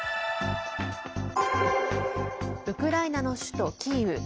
ウクライナの首都キーウ。